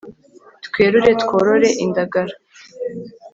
twerure tworore indagara